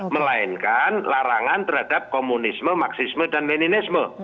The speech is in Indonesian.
melainkan larangan terhadap komunisme maksisme dan meninisme